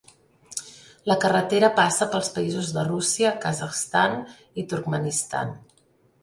La carretera passa pels països de Rússia, Kazakhstan i Turkmenistan.